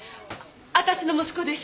私の息子です。